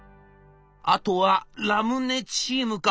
あとはラムネチームか。